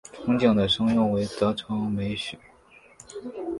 憧憬的声优为泽城美雪。